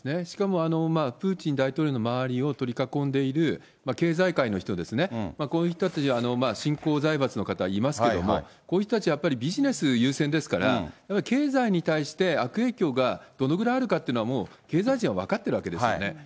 しかも、プーチン大統領の周りを取り囲んでいる経済界の人ですね、こういう人たち、新興財閥の方、いますけども、こういう人たちはやっぱりビジネス優先ですから、やはり経済に対して、悪影響がどのぐらいあるかというのは、もう、経済人は分かってるわけですよね。